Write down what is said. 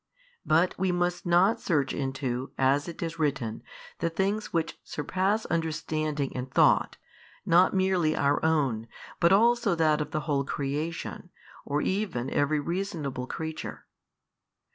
But we must not search into, as it is written, the things which surpass understanding and thought, not merely our own, but also that of the whole creation, or even every reasonable creature.